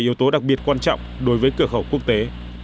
đây được xác định là yếu tố đặc biệt quan trọng đối với cửa khẩu quốc tế